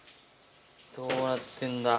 どうなってんだ？